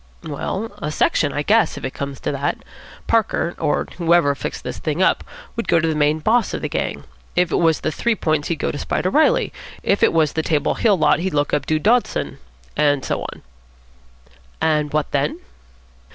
"Well, a section, I guess, if it comes to that. Parker, or whoever fixed this thing up, would go to the main boss of the gang. If it was the Three Points, he'd go to Spider Reilly. If it was the Table Hill lot, he'd look up Dude Dawson. And so on." "And what then?"